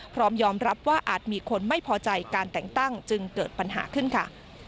พร้อมยอมรับว่าอาจมีคนไม่พอใจการแต่งตั้งจึงเกิดปัญหาขึ้นค่ะ